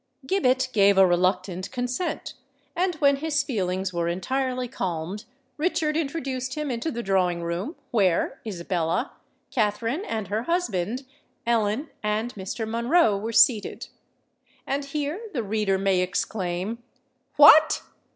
Gibbet gave a reluctant consent; and, when his feelings were entirely calmed, Richard introduced him into the drawing room where Isabella, Katherine and her husband, Ellen and Mr. Monroe were seated. And here the reader may exclaim, "What!